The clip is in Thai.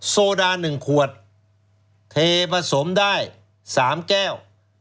โซดา๑ขวดเทผสมได้๓แก้ว